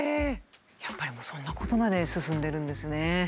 やっぱりもうそんなことまで進んでるんですね。